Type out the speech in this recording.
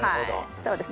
そうですね。